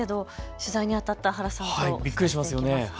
取材にあたった原さんとお伝えします。